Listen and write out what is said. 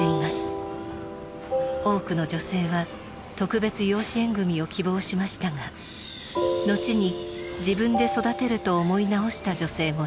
多くの女性は特別養子縁組を希望しましたがのちに自分で育てると思い直した女性もいます。